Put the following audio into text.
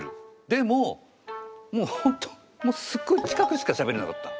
でももう本当すっごい近くしかしゃべれなかった。